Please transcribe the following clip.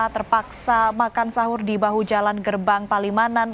terpaksa makan sahur di bahu jalan gerbang palimanan